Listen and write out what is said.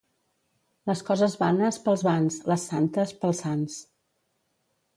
Les coses vanes, pels vans; les santes, pels sants.